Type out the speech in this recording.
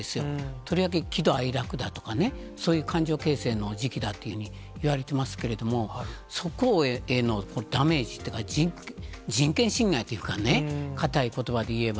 とりわけ喜怒哀楽だとかね、そういう感情形成の時期だっていうふうにいわれていますけれども、そこへのダメージというか、人権侵害というかね、堅いことばで言えば。